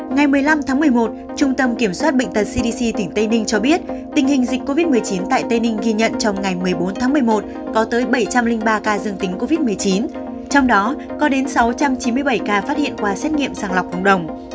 ngày một mươi năm tháng một mươi một trung tâm kiểm soát bệnh tật cdc tỉnh tây ninh cho biết tình hình dịch covid một mươi chín tại tây ninh ghi nhận trong ngày một mươi bốn tháng một mươi một có tới bảy trăm linh ba ca dương tính covid một mươi chín trong đó có đến sáu trăm chín mươi bảy ca phát hiện qua xét nghiệm sàng lọc cộng đồng